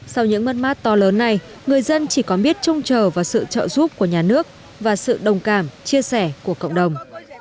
sau những mất mát to lớn này người dân chỉ có biết trông chờ vào sự trợ giúp của nhà nước và sự đồng cảm chia sẻ của cộng đồng